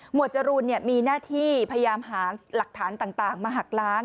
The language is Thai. วดจรูนมีหน้าที่พยายามหาหลักฐานต่างมาหักล้าง